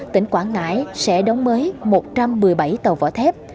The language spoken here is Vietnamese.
tỉnh quảng ngãi sẽ đóng mới một trăm một mươi bảy tàu vỏ thép